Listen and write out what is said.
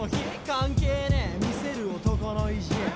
関係ねー見せる男の意地